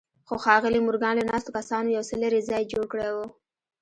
خو ښاغلي مورګان له ناستو کسانو يو څه لرې ځای جوړ کړی و.